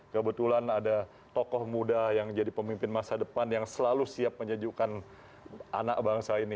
kebetulan ada para helikopter partai administrasi amerika dan lembaga agradekuat ini